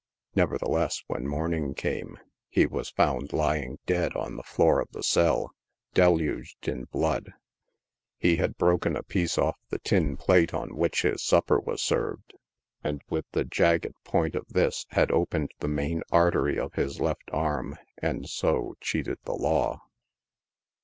Nevertheless, when morning came, he v^ as found lying dead on the floor of the cell, deluged in blood. He had broken a piece off the tin plate on which his supper was served, and, with the jagged THE STATION HOUSES. 45 point of this, had opened the main artery of his left arm, and so cheated the law.